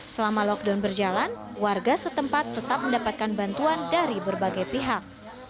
selama lockdown berjalan warga setempat tetap mendapatkan bantuan dari berbagai pihak